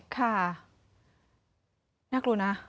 ค่ะนักรู้นะ